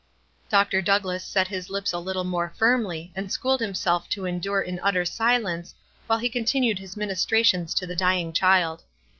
Dr. Douglass set his lips a little more firmly and schooled himself to endure in utter silence, while he continued his ministrations to the dying child.